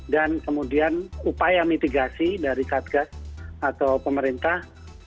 dan kemudian upaya mitigasi dari satgas atau pemerintah